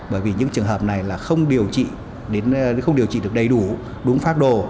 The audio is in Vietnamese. bởi vì những trường hợp này là không điều trị được đầy đủ đúng pháp đồ